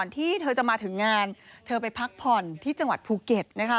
ที่เธอจะมาถึงงานเธอไปพักผ่อนที่จังหวัดภูเก็ตนะคะ